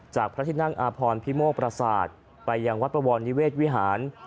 พระที่นั่งอาพรพิโมกประสาทไปยังวัดปวรนิเวศวิหาร